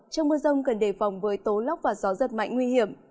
trong mưa rông cần đề phòng với tố lốc và gió giật mạnh nguy hiểm